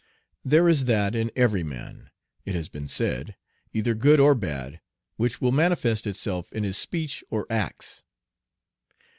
There is that in every man, it has been said, either good or bad, which will manifest itself in his speech or acts.